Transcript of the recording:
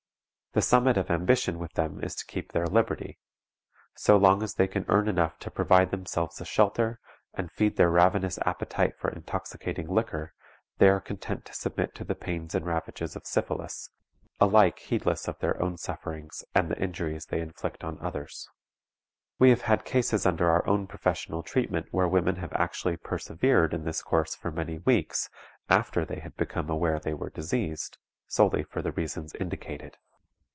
The summit of ambition with them is to keep their liberty; so long as they can earn enough to provide themselves a shelter, and feed their ravenous appetite for intoxicating liquor, they are content to submit to the pains and ravages of syphilis, alike heedless of their own sufferings and the injuries they inflict on others. We have had cases under our own professional treatment where women have actually persevered in this course for many weeks after they had become aware they were diseased, solely for the reasons indicated.